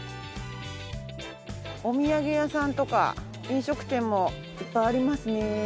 お土産屋さんとか飲食店もいっぱいありますね。